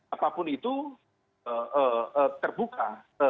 apapun itu terbuka